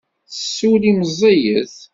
Tessulli meẓẓiyet.